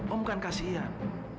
om kan kasihan